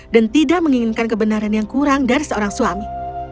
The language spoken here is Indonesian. dan tidak menginginkan kebenaran yang kurang dari seorang suami